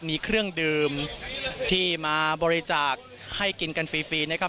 มีเครื่องดื่มที่มาบริจาคให้กินกันฟรีนะครับ